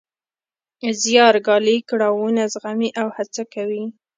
زیار ګالي، کړاوونه زغمي او هڅه کوي.